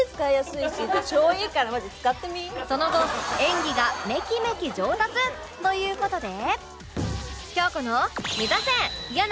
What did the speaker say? その後演技がメキメキ上達という事で